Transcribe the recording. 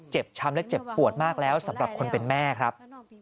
ช้ำและเจ็บปวดมากแล้วสำหรับคนเป็นแม่ครับ